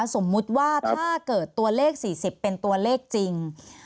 สมมุติว่าถ้าเกิดตัวเลข๔๐เป็นตัวเลขจริง